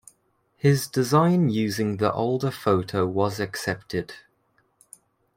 His design using the older photo was accepted.